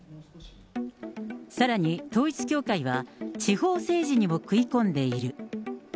さらに統一教会は、地方政治にも食い込んでいる。